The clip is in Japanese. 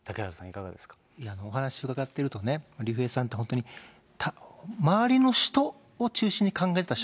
お話伺ってるとね、竜兵さんって本当に周りの人を中心に考えてた人。